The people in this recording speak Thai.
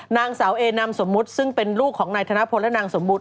นางสาวเอนามสมมุติซึ่งเป็นลูกของนายธนพลและนางสมบูร